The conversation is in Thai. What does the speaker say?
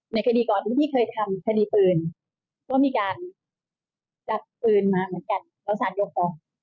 ในคดีก่อนที่เคยทำคดีปืนก็มีการจัดปืนมาเหมือนกันแล้วสารยกฟ้อง